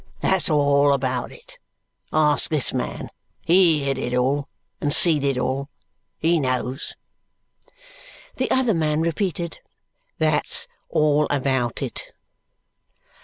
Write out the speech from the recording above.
That's all about it. Ask this man. He heerd it all, and see it all. He knows." The other man repeated, "That's all about it."